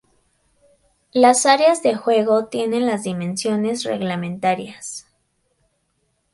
Las áreas de juego tienen las dimensiones reglamentarias.